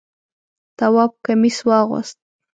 تواب کمیس واغوست.